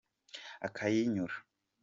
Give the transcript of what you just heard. akayinyura.